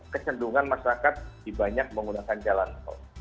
kecenderungan masyarakat dibanyak menggunakan jalan tol